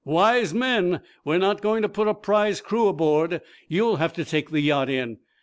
"Wise men! We're not going to put a prize crew aboard. You'll have to take the yacht in.